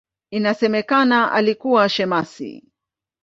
Inasemekana alikuwa shemasi.